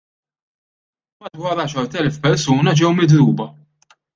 Madwar għaxart elef persuna ġew midruba.